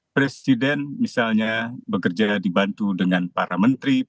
presiden misalnya bekerja dibantu dengan para menteri